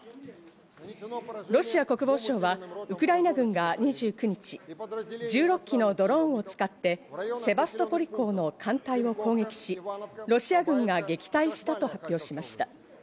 ロシア国防省はウクライナ軍が２９日、１６基のドローンを使ってセバストポリ港の艦隊を攻撃し、ロシア軍が撃退したと発表しました。